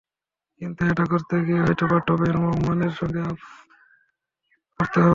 কিন্তু এটা করতে গিয়ে হয়তো পাঠ্যবইয়ের মানের সঙ্গে আপস করতে হবে।